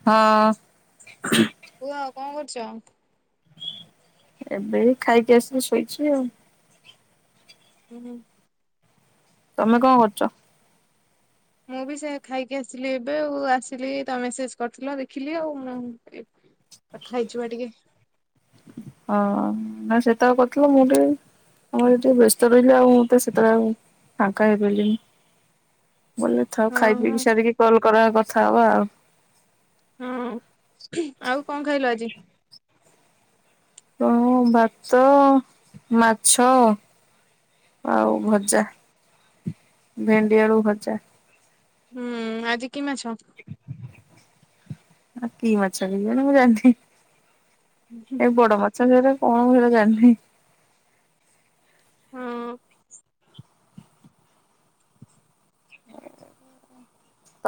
ହଁ। କୁହ କଣ କରୁଚ? ଏବେ ଖାଇକି ଆସିଲି ଶୋଇଚି ଆଉ। ହୁଁ-ହୁଁ। ତମେ କଣ କରୁଚ? ମୁଁ ବି ସେ ଖାଇକି ଆସିଲି ଏବେ ଆଉ ଆସିଲି ତା ମେସେଜ୍ କରିଥିଲ ଦେଖିଲି ଆଉ ମୁଁ। କଥା ହେଇଯିବା ଟିକେ। ହଁ ନା [unintelligible] କରିଥିଲ ମୁଁ ଟିକେ ଆମର ଟିକେ ବ୍ୟସ୍ତ ରହିଲେ ଆଉ ମୁଁତ ସେତେଟା ଆଉ ଫାଙ୍କା ହେଇପାରିଲିନି। [unintelligible] ହଁ ଖାଇ ହଁ ପିଇି ସାରିକି କଲ୍ କର କଥା ହବା ଆଉ। ହଁ ଆଉ କଣ ଖାଇଲ ଆଜି? ମୁଁ ଭାତ, ମାଛ ଆଉ ଭଜା ଭେଣ୍ଡି ଆଳୁ ଭଜା। ହୁଁ ଆଜି କି ମାଛ? ଆ କି ମାଛା [unintelligible] ହୁଁ-ହୁଁ। ଏଇ ବଡ ମାଛ [unintelligible] କଣ [unintelligible] ଜାଣିିନି। ହଁ।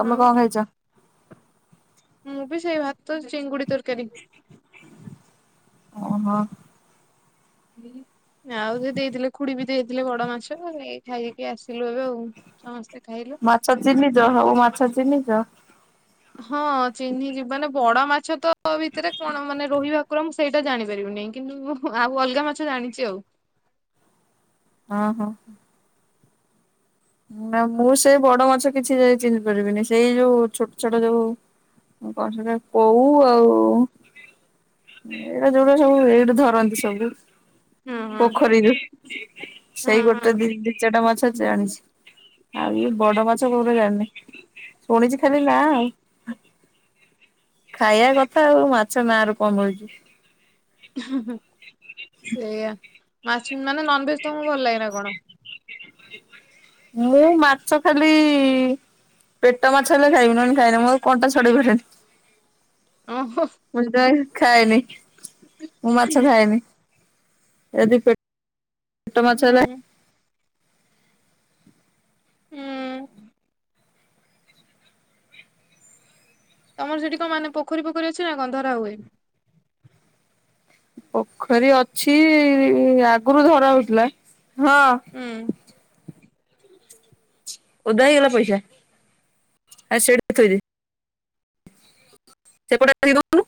ତମେ ଆଉ କଣ ଖାଇଚ? ମୁଁ ବି ସେଇ ଭାତ ଚିଙ୍ଗୁଡି ତରକାରୀ। ଓହୋ। ଆଉ ସେ ଦେଇଥିଲେ ଖୁଡି ବି ଦେଇଥିଲେ ବଡ ମାଛ ଏଇ ଖାଇକି ଆସିଲୁ ଏବେ ଆଉ। ସମସ୍ତେ ଖାଇଲୁ। ମାଛ ଚିହ୍ନିଚ ହଉ ମାଛ ଚିହ୍ନିଚ? ହଁ ଚିହ୍ନି ଛି ମାନେ ବଡ ମାଛ ତ ଭିତରେ କଣ ମାନେ ରୋହି ଭାକୁର ସେଇଟା ଜାଣିପାରିବୁନି କିନ୍ତୁ ଆଉ ଅଲଗା ମାଛ ଜାଣିଚି ଆଉ। ହଁ ହଁ। ନା ମୁଁ ସେଇ ବଡ ମାଛ କିଛି ଯାଏ ଚିହ୍ନି ପାରିବିନି ସେଇ ଯୋଉ ଛୋଟ ଛୋଟ ଯୋଉ ମୁଁ କଣ ସେଟା କୋଉ ଆଉ ଏଇଟା ଯୋଉଟା ସବୁ ଏଇଟୁ ଧରନ୍ତି ସବୁ ହଁ ହଁ। ପୋଖରୀରୁ ହଁ ସେଇ ହଁ। ଗୋଟେ ଦି ଦି ଚାରଟା ମାଛ ଜାଣିଛି। ଆଉ ଇଏ ବଡ ମାଛ କୋଉରା ଜାଣିନି ଶୁଣିଛି ଖାଲି ନା ଆଉ। ଖାଇବା କଥା ଆଉ ମାଛ ନାଁରୁ କଣ ମିଳୁଛି। ସେଇଆ ମାଛ ମାନେ ନନଭେଜ ତମକୁ ଭଲ ଲାଗେନା କଣ? ମୁଁ ମାଛ ଖାଲି ଇ ପେଟ ମାଛ ହେଲେ ଖାଇବି ନ ହେଲେ ଖାଏନି ମୁଁ କଣ୍ଟା ଛଡେଇ ପାରେନି। ଅଁ ହଁ। ମୁଁ ଯେତେବେଳେ ଖାଏନି ମୁଁ ମାଛ ଖାଏନି ଯଦି ପେଟ ଛୋଟ ମାଛ ଗୁରା ହୁଁ ହୁଁ। ତମର ସେଠି କଣ ମାନେ ପୋଖରୀ ପୋଖରୀ ଅଛି ନା କଣ ଧରା ହୁଏ? ପୋଖରୀ ଅଛି ଆଗରୁ ଧରା ହଉଥିଲା ହଁ। ଉଁ ଓଦା ହେଇଗଲା ପଇସା ଆଉ ସେଇଠି ଥୋଇଦେ। ସେପଟେ ନେଇଯାଉନୁ। [inaudible]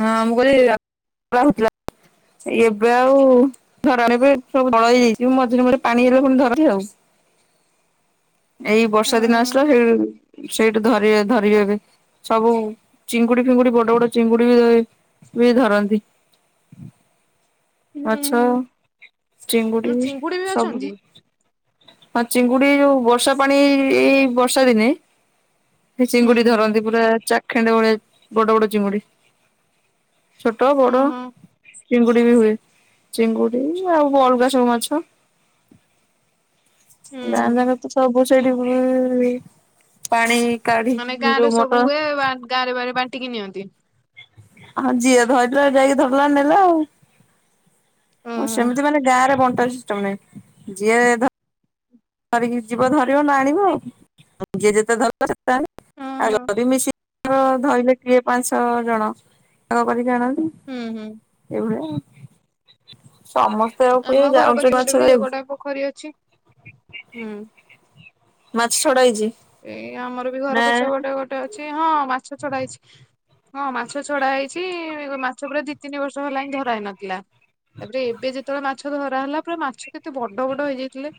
ହଁ ମୁଁ କହିଲି ରାତି ରହୁଥିଲା ଏବେ ଆଉ ଧରା ସବୁ ଦଳ ହେଇଯାଇଛି ମଝିରେ ମଝିରେ ପାଣି ହେଲେ ପୁଣି ଧରନ୍ତି ଆଉ। ଏଇ ବର୍ଷା ଦିନ ଆସିଲା ହୁଁ ହେଇ ସେଇଠୁ ଧର ଧରିବେ ଏବେ ସବୁ ଚିଙ୍ଗୁଡି ଫିଙ୍ଗୁଡି ବଡ ବଡ ଚିଙ୍ଗୁଡି [inaudible] ବି ଧରନ୍ତି। ମାଛ, ହୁଁ। ଚିଙ୍ଗୁଡ଼ି ଚିଙ୍ଗୁଡି ବି ସବୁ। ଅଛନ୍ତି? ହଁ ଚିଙ୍ଗୁଡି ଯୋଉ ବର୍ଷା ପାଣି ଏଇ ଏଇ ବର୍ଷା ଦିନେ ସେ ହୁଁ ଚିଙ୍ଗୁଡି ହୁଁ। ଧରନ୍ତି ପୁରା ଚାଖେଣ୍ଡେ ଭଳିଆ ବଡ ବଡ ଚିଙ୍ଗୁଡି। ଛୋଟ ହୁଁ ବଡ ହୁଁ ଚିଙ୍ଗୁଡି ବି ହୁଏ ଚିଙ୍ଗୁଡି ଆଉ ଅଲଗା ସବୁ ମାଛ। ଗାଁ ହୁଁ ଯାକ ତ ସବୁ ସେଇଠି ବୁଇ ପାଣି କାଢି ମାନେ କି ଗାଁ ରେ ଯୋଉ ସବୁ ମଟର ହୁଏ ବା- ଗାଁରେ ଭେରେ ବାଣ୍ଟିକି ନିଅନ୍ତି? ହଁ ଯିଏ ଧରିଲା ଯାଇକି ଧରିଲା ନେଲା ଆଉ। ହଁ ମୁଁ ଓହୋ ସେମିତି ମାନେ ଗାଁରେ ବଣ୍ଟା ସିଷ୍ଟମ ନାହିଁ ଯିଏ ଧରି ଧରିକି ଯିବ ଧରିବ ନା ଆଣିବ ଆଉ ଯିଏ ଯେତେ ଧରିବ ସେତେ ଆଣିଲା ଆଉ ଓହୋ। ଜଦି ମିଶିକି ଭାଗ ଧଇଲେ କିଏ ପାଞ୍ଚଛଅ ଜଣ ଭାଗ କରିକି ଆଣନ୍ତି। ହୁଁ ହୁଁ। ସମସ୍ତେ ଆଉ ଆମ କିଏ ଘର ଯାଉଛି ପଛପଟେ ବି ମାଛ ଦେଇ। ଗୋଟେ ପୋଖରୀ ଅଛି ହୁଁ। ମାଛ ଛଡା ହେଇଛି? ଏଇ ଆମର ବି ନା ଘର ପଛ ଗୋଟେ ଅଛି ହଁ ମାଛ ଛଡା ହେଇଛି। ହଁ ମାଛ ଛଡା ହେଇଛି ମାଛ ପୁରା ଦି ତିନି ବର୍ଷ ହେଲା ହିଁ ଧରା ହେଇନଥିଲା। ତାପରେ ଏବେ ଯେତେବେଳେ ମାଛ ଧରା ହେଲା ପୁରା ମାଛ କେତେ ବଡ ବଡ ହେଇଯାଇଥିଲେ।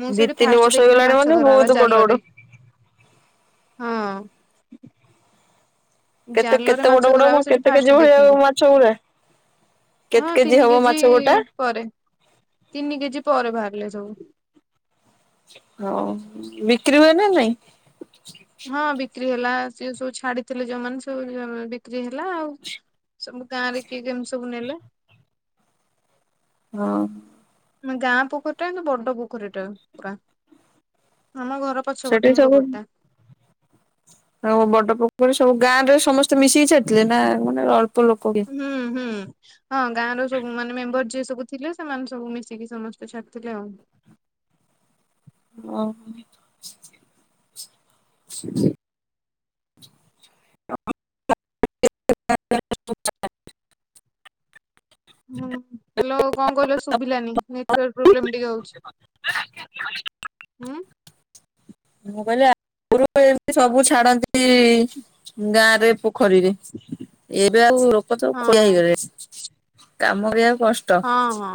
ମୁଁ ଦି ସେଇଠି ତିନି ଫାଷ୍ଟ ବର୍ଷ ଦେଖିଲି ହେଇଗଲାଣି ମାନେ ମାଛ ଧରା ବହୁତ ହବା ବଡ ବଡ ଜାଲରେ ହଁ। କେତେ ଜାଲରେ କେତେ ବଡ ମାଛ ବଡ ମ ଧରାହୁଏ ସେଠି କେତେ କେଜି ଫାଷ୍ଟ ଭଳିଆ ଦେଖିଲି। ମାଛ ଗୁଡା କେତେ ହଁ ତିନି ହବ ମାଛ କେଜି ଗୋଟା ପରେ, ତିନି କେଜି ପରେ ବାହାରିଲେ ସବୁ। ହଉ, ବିକ୍ରି ହୁଏ ନା ନାଇଁ? ହଁ ବିକ୍ରି ହେଲା, ସିଏ ସବୁ ଛାଡିଥିଲେ ଯୋଉମାନେ ସବୁ [unintelligible] ବି କ୍ରୀ ହେଲା ଆଉ, ସବୁ ଗାଁ ରେ କିଏ କେମିତି ସବୁ ନେଲେ‌। ହଁ। ଆମ ଗାଁ ପୋଖରୀଟା ନା ବଡ ପୋଖରୀଟା ପୁରା। ଆମ ଘର ସେଠି ପଛପଟେ ହିଁ ସବୁ ପୋଖରୀଟା। ଆଉ ବଡ ପୋଖରୀ ସବୁ ଗାଁରେ ସମସ୍ତେ ମିଶିକି ଛାଡ଼ିଥିଲେ ନା ମାନେ ଅଳ୍ପ ଲୋକ? କିଏ ହୁଁ, ହୁଁ, ହଁ ଗାଁର ସବୁ ମାନେ ମେମ୍ବର୍ ଯିଏ ସବୁ ଥିଲେ, ସେମାନେ ସବୁ ମିଶିକି ସମସ୍ତେ ଛାଡିଥିଲେ ଆଉ। ଓ ହଁ। [inaudible] [inaudible] ହୁଁ, ହ୍ୟାଲୋ କଣ କହିଲ ଶୁଭିଲାନି? ନେଟୱାର୍କ ପ୍ରୋବ୍ଲେମ୍ ଟିକେ ହଉଛି। ହଁ। ମୁଁ କହିଲି ଆଗରୁ ଏମିତି ସବୁ ଛାଡନ୍ତି ଗାଁରେ ପୋ ଖରୀରେ, ଏବେ ଆଉ ଲୋକ ତ ହଁ ଖୋଳେଇ ଦେବେ କାମ କରିବାକୁ କଷ୍ ଟ ହଁ ହଁ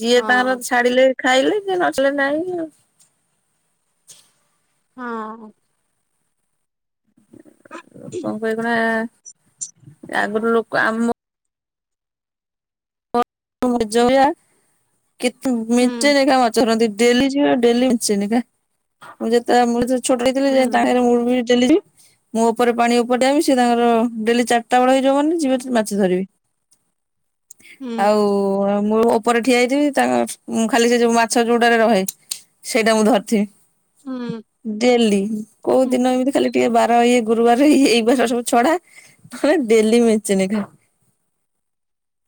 ଯିଏ ତାଙ୍କର ହଁ ଛାଡିଲେ ଖାଇଲେ ଯିଏ ନଚଳିଲେ ନାଇଁ ଆଉ। ହଁ। ଓ କଣ କହକି ନା ଆଗରୁ ଲୋକ ଆମ [inaudible] ଯବିଆ କି ମେଞ୍ଚେ ହୁଁ। ନେଖା ମାଛ ରହନ୍ତି। ଡେଲି ଯିବା ଡେଲିି ମିଶେନି କା ଯେତେବେଳେ ମୁଁ ଯେ ଛୋଟ ହେଇଥିଲେ ହୁଁ ଯେ ତାହେଁରେ ମୁଁ ବି ଡେଲି ଯିମି। ମୁଁ ଉପରେ ପାଣି ଉପରେ ଠିଆହେମି। ସିଏ ତାଙ୍କର ଡେଲି ଚାଟା ବେଳେ ହେଇଯିବ ମାନେ ଯିବେ ମାଛ ଧରିବେ। ହୁଁ ଆଉ ଆ, ମୁଁ ଉପରେ ଠିଆ ହେଇଥିବି, ତାଙ୍କ ଉଁ, ଖାଲି ସେ ଯୋଉ ମାଛ ଯୋଉଟାରେ ରହେ ସେଇଟା ମୁଁ ଧରିଥିମି। ହୁଁ। ଡେଲି, କୋଉ ହୁଁ ଦିନ ଏମିତି ଖାଲି ଟିକେ ବାର ଇଏ ଗୁରୁବାର ଏଇ ବାର ସବୁ ଛଡା। ହଁ, ଡେଲି ମେଞ୍ଚେ ନେଖା।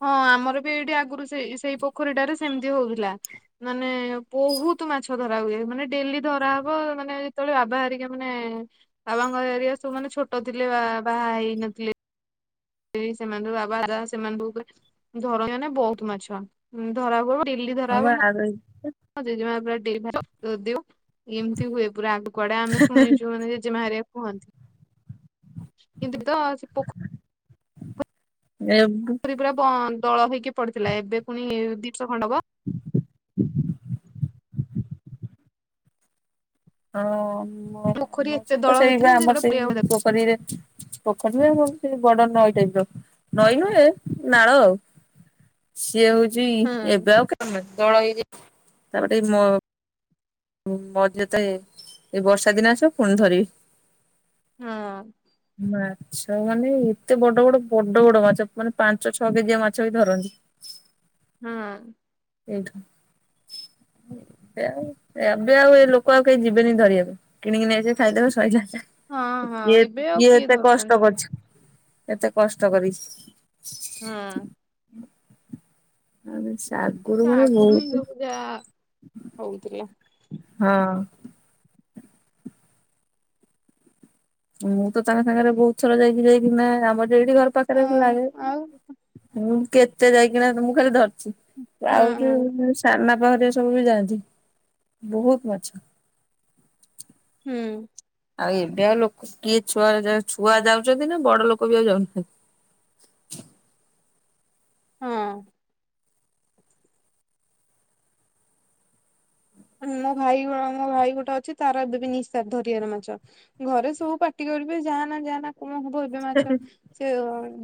ହଁ ଆମର ବି ଏଇଠି ଆଗରୁ ସେଇ ସେଇ ପୋଖରୀଟାରେ ସେମିତି ହଉଥିଲା। ମାନେ ବହୁତ ମାଛ ଧରା ହୁଏ। ମାନେ ଡେଲି ଧରାହବ, ମାନେ ଯେତେବେଳେ ବାବା ହେରିକା ମାନେ ବାବାଙ୍କର ଏରିଆ ସବୁ ମାନେ ଛୋଟ ଥିଲେ, ବା- ବାହା ହେଇନଥିଲେ। ଏଇ ସେମାନ ସବୁ ବାବା ଏକା ସେମାନଙ୍କ ଉପରେ ଧରନ୍ତି ମାନେ ବହୁତ ମାଛ ଉଁ, ଧରାହୁ ହଁ ବା ଆଗ [inaudible] ମୋ ଜେଜେମା ପୁରା ଡେଇ [inaudible] [unintelligible] ଏମିତି ହୁଏ ପୁରା ଆଗ କୁଆଡେ ଆମେ ଶୁଣିଚୁ। ମାନେ ଜେଜେମା ହେରିକା କୁହନ୍ତି। କିନ୍ତୁ ତ ସେ ପୋଖ ଏ ପୁ ପୁରା ବଁ- ଦଳ ହେଇକି ପଡିଥିଲା, ଏବେ ପୁଣି ଦିନିସ ଖଣ୍ଡକ [inaudible] ହଁ ମୋ ପୋଖରୀ ଆମର ଏତେ ସେତ ଦଳ ସେଇ ବା ହେଇଥିଲା ଯେ ଆମର ଗୋଟେ ହଁ ସେଇ ପୋଖରୀରେ ପୋଖରୀ ନୁହେଁ ଆମର ସେ ବଡ ନଈ ଟାଇପ୍ ର, ନଈ ନୁହେଁ ନାଳ। ସିଏ ହଉଛି ଏବେ ହଁ ଆଉ କେ [inaudible] ଦଳ ହେଇଯାଇ ତାପଟେ ମୋ ମୁଁ ମୋର ଯେତେଳେ ଏଇ ବର୍ଷା ଦିନ ଆସିବ। ପୁଣି ଧରିବି। ମା ଛ ମାନେ ଏତେ ବଡ ବଡ, ବଡ ବଡ ମାଛ ମାନେ ପାଞ୍ଚ ଛଅ କେଜିଆ ମାଛ ବି ଧରନ୍ତି। [inaudible] ହଁ। ଠ [inaudible] ଏବେ ଆଉ ଏ ଲୋକ ଆଉ କେହି ଯିବେନି ଧରିବାକୁ, କିଣିକି ନେଇଯିବେ ଖାଇଦେବେ ସଇଲା। ହଁ ହଁ କିଏ ଏବେ ଆଉ କିଏ ଏତେ ଧରୁଛନ୍ତି କଷ୍ଟ କରିଛି ଏତେ କଷ୍ଟ କରିଛି। ହଁ। ଆ ସାର୍ [inaudible] ଆଗରୁୁ ହିଁ ହ ଯା ହଉଥିଲା। ହଁ। ମୁଁ ତ ତାଙ୍କ ସାଙ୍ଗରେ ବହୁତ ଥର ଯାଇକି ଯାଇକି ନା ଆମର ସେଇଠି ଘର ପାଖରେ ହଁ ଲାଗେ ଆଉ ମୁଁ କେତେ ଯାଇକିନା ମୁଁ ଖାଲି ଧରିଛି। ହଁ ହଁ ଆଉଠ ସାନାଆପା ହେରା ସବୁ ଯାଆନ୍ତି ବହୁତ ମାଛ ହୁଁ। ଆଉ ଏବେ ଆଉ ଲୋକ କିଏ ଛୁଆ ଛୁଆ ଯାଉଛନ୍ତି ନା ବଡ ଲୋକ ବି ଆଉ ଯାଉନାହାନ୍ତି। ହଁ। ମୋ ଭାଇ ମୋ ଭାଇ ଗୋଟେ ଅଛି ତାର ଏବେ ବି ନିସା ଧରିଆର ମାଛ। ଘରେ ସବୁ ପାଟି କରିବେ ଯାହା ନା ଯାହା ନା କଣ ଏବେ ମାଛ। ସେ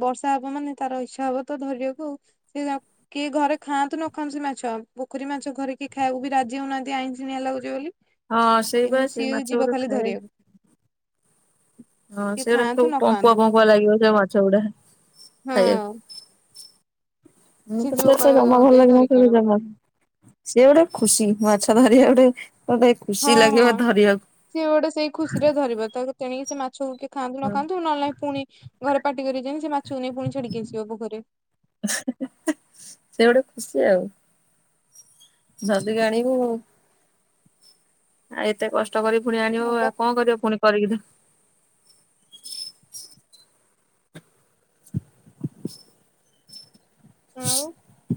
ବର୍ଷା ହବ ମାନେ ତାର ଇଚ୍ଛା ହବ ତ ଧରିବାକୁ ଆଉ। ସେ କିଏ ଘରେ ଖାଆନ୍ତୁ ନ ଖାଆନ୍ତୁ ସେ ମାଛ ପୋଖରୀ ମାଛ ଘରେ କିଏ ଖାଏକୁ ବି ରାଜି ହଉନାହାନ୍ତି। ଆଇଶିଣିଆ ଲାଗୁଛି ବୋଲି ହଁ ସେଇ ବା କିନ୍ତୁ ସେ ସିଏ ମାଛ ଯିବ ଗୁରା ଖାଲି ଖାଇବା ଧରିବାକୁ। ହଁ କିଏ ସେଇଟା ସବୁ ଖାଆନ୍ତୁ ନ ପଙ୍କୁଆ ଖାଆନ୍ତୁ ପଙ୍କୁଆ ଲାଗିବ ସେ ମାଛ ଗୁଡା ହଁ। ଖାଇବାକୁ। ମୁଁ ସେ ତ ଯିବ ସେତ କହିବ ଜମା ଭଲ ଦେଇ ଲାଗନା ଧରିକି ସେ ଆଣିବ ଜମା। ଖାଲି [unintelligible] ସିଏ ଗୋଟେ ଖୁସି ମାଛ ଧରିବା ଗୋଟେ ମତେ। ହଁ ହଁ ସିଏ ଗୋଟେ ସେଇ ଖୁସିରେ ଧରିବ ତାକୁ ତେଣିକି ସେ ମାଛକୁ କେ ଖାନ୍ତୁ ହଁ ନଖାଆନ୍ତୁ ନହେଲେ ନାଇ ପୁଣି ଘରେ ପାଟି କରିବେଜେମୀ ସେ ମାଛକୁ ନେଇା ପୁଣି ଛାଡିକି ଆସିବ ପୋଖରୀରେ। ସେ ଗୋଟେ ଖୁସି ଆଉ। ଯଦିକି ଆଣିବୁ। ଆଉ ଏତେ କଷ୍ଟ କରିକି ପୁଣି ଆଣିବ ହଁ ବା ଆଉ କଣ କରିବ ପୁଣି କରିକି ତ। ହ ଆଉ [inaudible]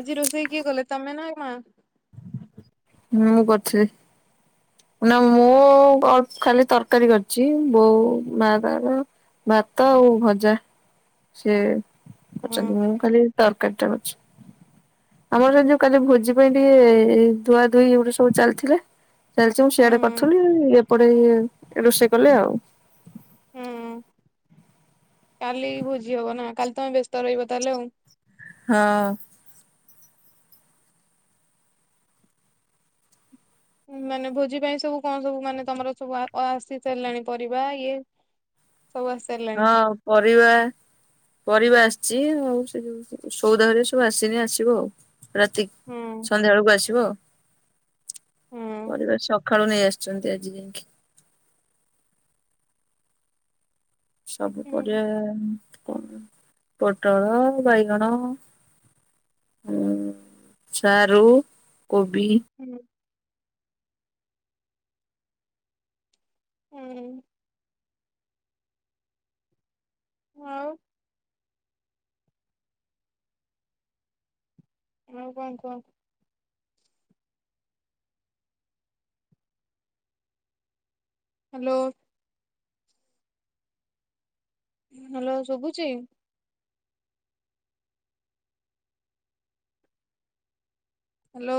ଆଜି ରୋଷେଇ କିଏ କଲେ ତମେ ନା ମା? ମୁଁ କରିଥିଲି। ନା ମୁଁ ଅଳପ ଖାଲି ତରକାରୀ କରିଛି ବୋଉ ମା ତାର ଭାତ ଆଉ ଭଜା ସିଏ ହଁ କରିଛନ୍ତି ମୁଁ ଖାଲି ତରକାରୀ ଟା କରିଛି ଆମର ଯ ଯୋଉ କାଲି ଭୋଜି ପାଇଁ ଟିକେ ଧୁଆ ଧୁଇ ଏଇଗୁଡ଼ା ସବୁ ଚାଲିଥିଲା। ଚାଲିଛି ମୁଁ ହୁଁ ସିଆଡେ ହୁଁ କରିୁଥିଲି ଏପଟେ ଇଏ ରୋଷେଇ କଲେ ଆଉ। ହୁଁ କାଲି ଭୋଜି ହବ ନା କାଲି ତମେ ବ୍ୟସ୍ତ ରହିବ ତାହେଲେ ଆଉ। ହଁ। ମାନେ ଭୋଜି ପାଇଁ ସବୁ କଣ ସବୁ ମାନେ ତମର ସବୁ ଆସି ସାରିଲାଣି ପରିବା ଇଏ ସବୁ ଆସ ହଁ ପରିବା। ପରିବା ଆସିଛି ଆଉ ସେ ଯୋଉ ସଉଦା ହେରିକା ସବୁ ଆସିନି ଆସିବ ଆଉ ରାତିକି। ହୁଁ ସନ୍ଧ୍ୟା ବେଳକୁ ଆସିବ ଆ ହୁଁ। ପରିବା ସକାଳୁ ସକାଳେ ନେଇ ଆସୁଛନ୍ତି ଆଜି ଯାଇକି ସବୁ ହୁଁ ପରିବା କଣ ପୋଟଳ, ବାଇଗଣ ସାରୁ, କୋବି ହାଲୋ। ହୁଁ। ହଁ। ଆଉ କଣ କୁହ? ହାଲୋ। ହାଲୋ ଶୁଭୁଛି? ହାଲୋ।